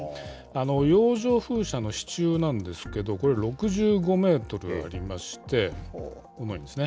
洋上風車の支柱なんですけど、これ、６５メートルありまして、重いんですね。